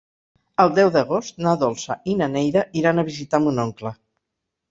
El deu d'agost na Dolça i na Neida iran a visitar mon oncle.